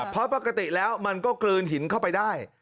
เพราะปกติแล้วมันก็กลืนหินเข้าไปได้